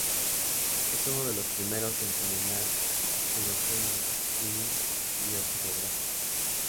Es uno de los primeros en combinar filogenia y lo biogeográfico.